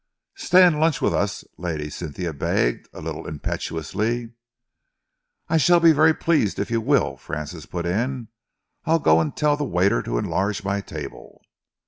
"Stay and lunch with us," Lady Cynthia begged, a little impetuously. "I shall be very pleased if you will," Francis put in. "I'll go and tell the waiter to enlarge my table."